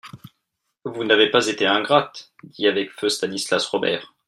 Vous n'avez pas été ingrate, dit avec feu Stanislas Robert.